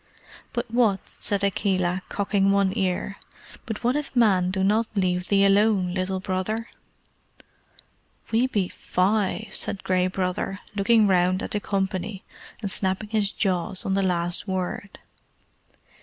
"But what," said Akela, cocking one ear "but what if men do not leave thee alone, Little Brother?" "We be FIVE," said Gray Brother, looking round at the company, and snapping his jaws on the last word.